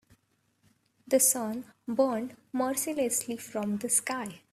The sun burned mercilessly from the sky.